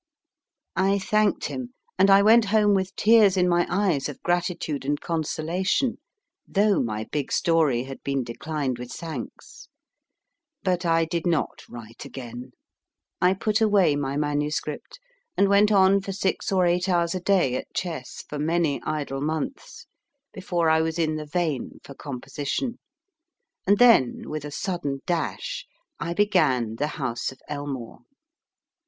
I thanked him, and I went home with tears in my eyes of gratitude and consolation, though my big story had been declined with thanks. But I did not write again. I put away my MS., and went on for six or eight hours a day at chess for many idle months before I was in the vein for composition, and then, with a sudden dash, I began The House of Elmore.